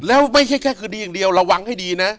แล้วไม่ใช่แค่คดีอย่างเดียวระวังให้ดีนะ